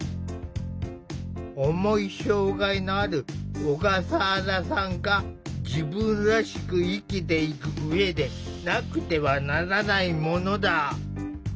重い障害のある小笠原さんが自分らしく生きていく上でなくてはならないものだ。